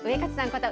こと